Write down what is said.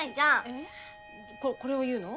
えここれを言うの？